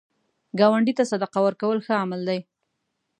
ګاونډي ته صدقه ورکول ښه عمل دی